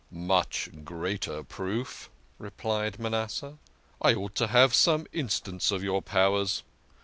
" Much greater proof," replied Manasseh. " I ought to have some instance of your powers.